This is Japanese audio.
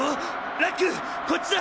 ラックこっちだ！